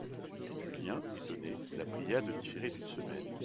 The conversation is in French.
Julien étonné la pria de différer d'une semaine.